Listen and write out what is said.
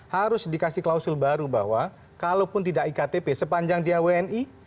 harus dikasih klausul baru bahwa kalaupun tidak iktp sepanjang dia wni